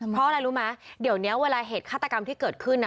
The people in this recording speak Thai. เพราะอะไรรู้ไหมเดี๋ยวนี้เวลาเหตุฆาตกรรมที่เกิดขึ้น